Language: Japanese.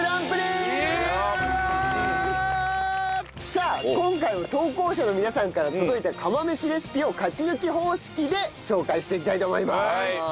さあ今回は投稿者の皆さんから届いた釜飯レシピを勝ち抜き方式で紹介していきたいと思います。